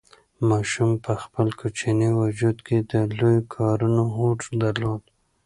ماشوم په خپل کوچني وجود کې د لویو کارونو هوډ درلود.